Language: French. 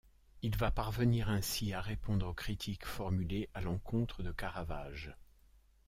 Il va parvenir ainsi à répondre aux critiques formulées à l’encontre de Caravage.